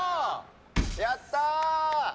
やったー！